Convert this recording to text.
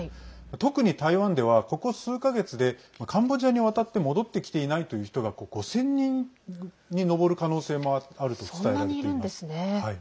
特に台湾では、ここ数か月でカンボジアに渡って戻ってきていないという人が５０００人に上る可能性もあると伝えられています。